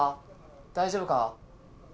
大丈夫か？